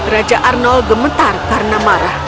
raja arnold gemetar karena marah